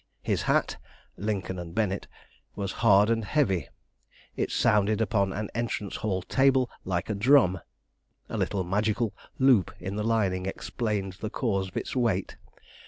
His hat (Lincoln and Bennett) was hard and heavy. It sounded upon an entrance hall table like a drum. A little magical loop in the lining explained the cause of its weight.